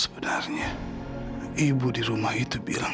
seperti suara mas iksan